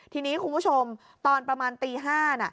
ทีนี้คุณผู้ชมตอนประมาณตี๕น่ะ